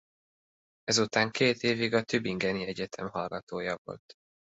Ezután két évig a Tübingeni Egyetem hallgatója volt.